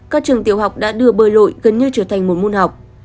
các trường tiểu học đã đưa bơi lội gần như trở thành một môn học